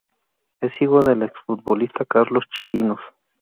Es hijo del exfutbolista Carlos Chirinos.